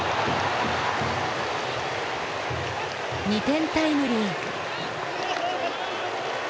２点タイムリー。